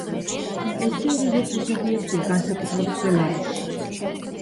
ინტენსიური რეწვის ობიექტია, განსაკუთრებით ბელარუსში.